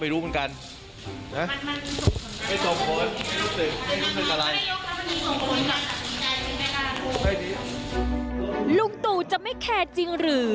ลุงตู่จะไม่แคร์จริงหรือ